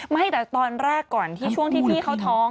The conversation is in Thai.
ไม่แต่ตอนแรกก่อนที่ช่วงที่พี่เขาท้อง